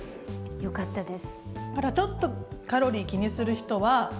よかったです。